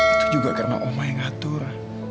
itu juga karena oma yang atur